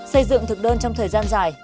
xây dựng thực đơn trong thời gian dài